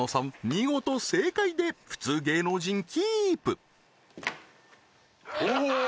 見事正解で普通芸能人キープおおー